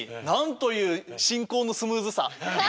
なんという進行のスムーズさ。